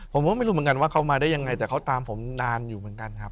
ผมก็ไม่รู้เหมือนกันว่าเขามาได้ยังไงแต่เขาตามผมนานอยู่เหมือนกันครับ